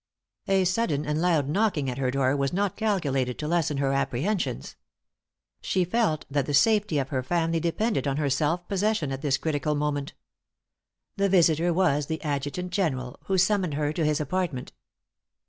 A sudden and loud knocking at her door was not calculated to lessen her apprehensions. She felt that the safety of her family depended on her selfpossession at this critical moment. The visitor was the adjutant general, who summoned her to his apartment.